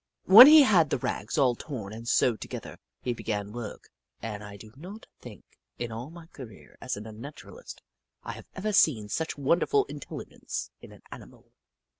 When he had the rags all torn and sewed together, he began work, and I do not think, in all my career as an Unnaturalist, I have ever seen such wonderful intelligence in an animal.